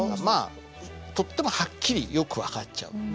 まあとってもはっきりよく分かっちゃう。